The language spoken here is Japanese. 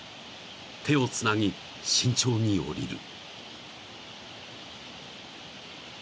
［手をつなぎ慎重に下りる］